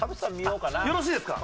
よろしいですか？